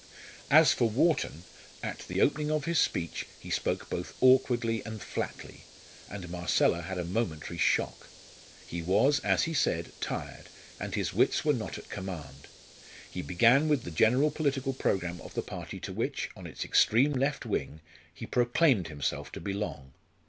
As for Wharton, at the opening of his speech he spoke both awkwardly and flatly; and Marcella had a momentary shock. He was, as he said, tired, and his wits were not at command. He began with the general political programme of the party to which on its extreme left wing he proclaimed himself to belong.